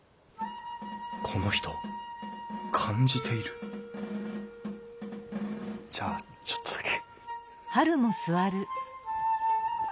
この人感じているじゃあちょっとだけ。